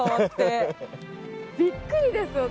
びっくりですよ。